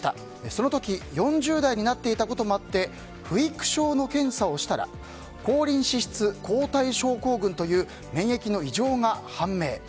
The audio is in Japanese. その時４０代になっていたこともあって不育症の検査をしたら抗リン脂質抗体症候群という免疫の異常が判明。